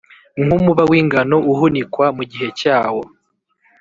nk’umuba w’ingano uhunikwa mu gihe cyawo